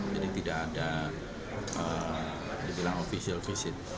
jadi tidak ada official visit